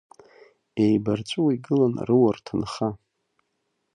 Еибарҵәыуа игылан рыуа-рҭынха.